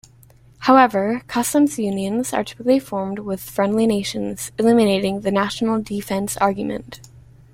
However, customs unions are typically formed with friendly nations, eliminating the national defense argument.